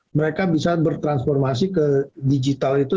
mereka bisa bertransformasi ke digital itu